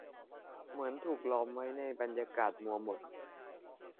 เหมือนถูกล้อมไว้ในบรรยากาศมัวหม่น